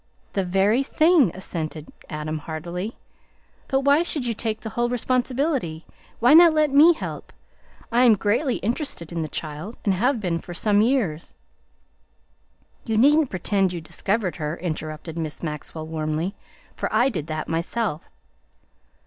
"The very thing!" assented Adam heartily; "but why should you take the whole responsibility? Why not let me help? I am greatly interested in the child, and have been for some years." "You needn't pretend you discovered her," interrupted Miss Maxwell warmly, "for I did that myself."